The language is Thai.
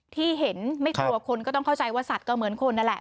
ที่เห็นไม่กลัวคนก็ต้องเข้าใจว่าสัตว์ก็เหมือนคนนั่นแหละ